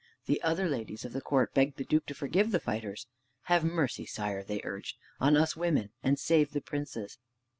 The other ladies of the court begged the Duke to forgive the fighters. "Have mercy, sire," they urged, "on us women, and save the princes!"